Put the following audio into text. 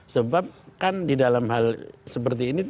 sebab kan di dalam hal seperti ini